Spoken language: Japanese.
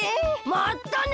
まったね！